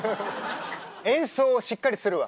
演奏をしっかりするわ。